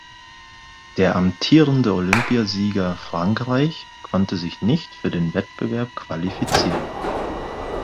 Der amtierende Olympiasieger Frankreich konnte sich nicht für den Wettbewerb qualifizieren.